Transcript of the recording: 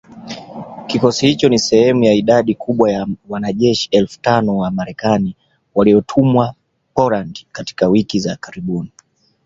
Kikosi hicho ni sehemu ya idadi kubwa ya wanajeshi elfu tano wa Marekani waliotumwa Poland katika wiki za karibuni